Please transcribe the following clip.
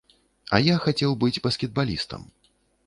А я хацеў быць баскетбалістам.